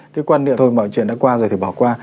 cái quan niệm thôi mọi chuyện đã qua rồi thì bỏ qua